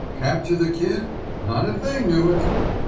Capture the Kid? Not if they knew it.